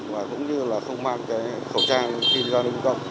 và cũng như là không mang cái khẩu trang khi ra đường công